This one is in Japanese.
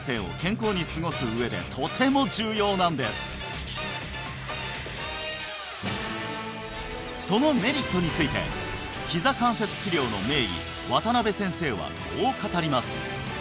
いや実はそのメリットについてひざ関節治療の名医渡辺先生はこう語ります